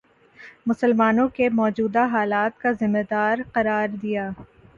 مسلمانوں کے موجودہ حالات کا ذمہ دار قرار دیا